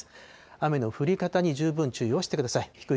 雨の降り方に十分注意をしてください。